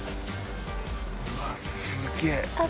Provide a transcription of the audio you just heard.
うわっすげえ。